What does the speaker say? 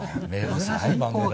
最高。